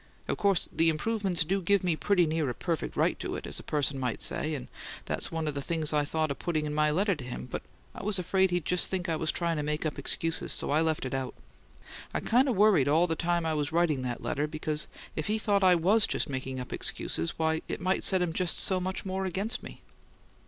Of course, the improvements do give me pretty near a perfect right to it, as a person might say; and that's one of the things I thought of putting in my letter to him; but I was afraid he'd just think I was trying to make up excuses, so I left it out. I kind of worried all the time I was writing that letter, because if he thought I WAS just making up excuses, why, it might set him just so much more against me."